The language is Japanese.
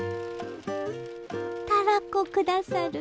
たらこ下さる？